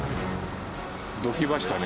どきましたね。